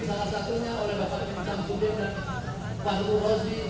salah satunya oleh bapak ibu cangkudin dan pak guru rosi